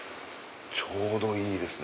ちょうどいいですね。